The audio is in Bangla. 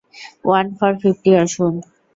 ওয়ান ফর ফিফটি, আসুন।